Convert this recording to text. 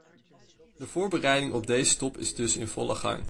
De voorbereiding op deze top is dus in volle gang.